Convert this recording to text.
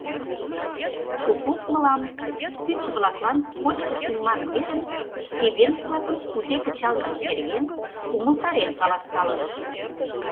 Попов мылам пӱчӧ-влаклан кочкыш улман верым эвенк-влакын кузе кычалмышт нерген умылтарен каласкалыш.